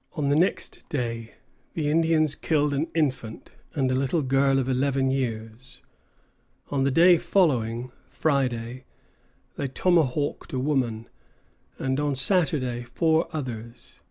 ] On the next day the Indians killed an infant and a little girl of eleven years; on the day following, Friday, they tomahawked a woman, and on Saturday four others.